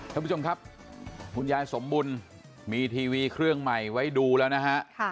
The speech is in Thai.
ท่านผู้ชมครับคุณยายสมบุญมีทีวีเครื่องใหม่ไว้ดูแล้วนะฮะ